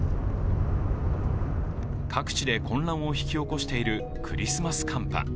各地で混乱を引き起こしているクリスマス寒波。